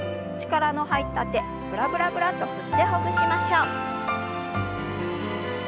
力の入った手ブラブラブラッと振ってほぐしましょう。